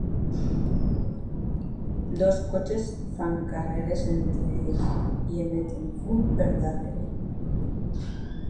Dos cotxes fan carreres entre ells i emeten fum per darrere.